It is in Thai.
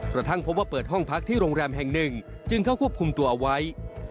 กระทั่งพบว่าเปิดห้องพักที่โรงแรมแห่งหนึ่งจึงเข้าควบคุมตัวเอาไว้